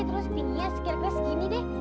terus tingginya kira kira segini deh